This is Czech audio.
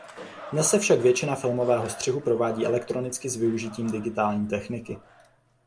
Dnes se však většina filmového střihu provádí elektronicky s využitím digitální techniky.